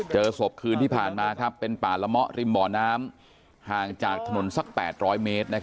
เจอศพคืนที่ผ่านมาเป็นป่าละมะริมบ่อน้ำห่างจากถนนสัก๘๐๐เมตร